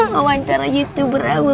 mewantara youtuber aku